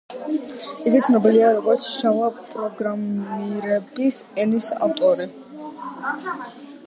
იგი ცნობილია როგორც ჯავა პროგრამირების ენის ავტორი.